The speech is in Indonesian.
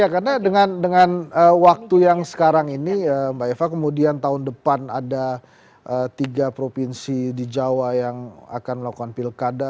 karena dengan waktu yang sekarang ini mbak eva kemudian tahun depan ada tiga provinsi di jawa yang akan melakukan pilkada